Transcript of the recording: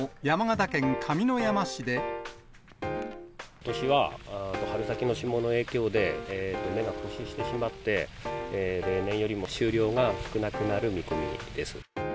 ことしは春先の霜の影響で、芽が枯死してしまって、例年よりも収量が少なくなる見込みです。